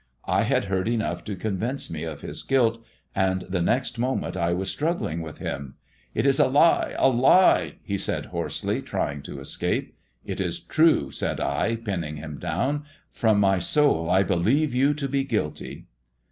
I had heard enough to convince me of his guilt, and the next moment I was struggling with him. " It is a lie 1 a lie !" he said hoarsely, trying to escape. " It is true !" said I, pinning him down. " From my soul I believe you to be guilty."